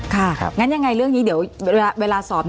งั้นยังไงเรื่องนี้เดี๋ยวเวลาสอบ